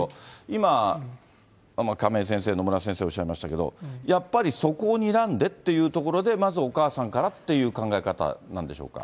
今、亀井先生、野村先生、おっしゃいましたけれども、やっぱりそこをにらんでというところで、まずお母さんからっていう考え方なんでしょうか。